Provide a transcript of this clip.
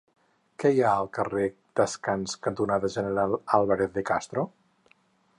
Què hi ha al carrer Descans cantonada General Álvarez de Castro?